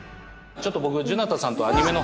ちょっと僕。